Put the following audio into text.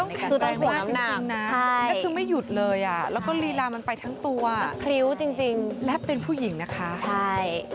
ต้องแข็งแรงมากจริงนะคือไม่หยุดเลยแล้วก็รีลามันไปทั้งตัวและเป็นผู้หญิงนะคะใช่